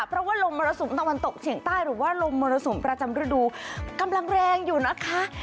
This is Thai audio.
เพราะว่าลมมรสุมตะวันตกเฉียงใต้หรือว่าลมมรสุมประจำฤดูกำลังแรงอยู่นะคะ